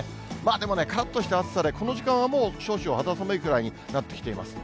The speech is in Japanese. でもからっとした暑さで、この時間はもう少々肌寒いぐらいになってきています。